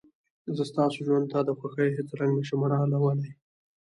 زه ستاسو ژوند ته د خوښيو هېڅ رنګ نه شم راوړلى.